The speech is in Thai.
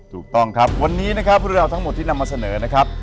ถูกต้องครับวันนี้นะครับเรื่องราวทั้งหมดที่นำมาเสนอนะครับ